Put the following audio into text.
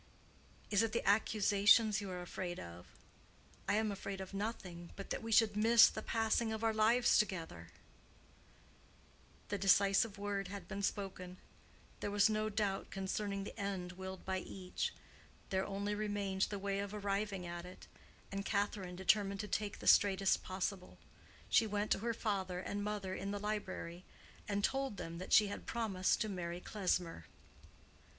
"Is it the accusations you are afraid of? I am afraid of nothing but that we should miss the passing of our lives together." The decisive word had been spoken: there was no doubt concerning the end willed by each: there only remained the way of arriving at it, and Catherine determined to take the straightest possible. She went to her father and mother in the library, and told them that she had promised to marry Klesmer.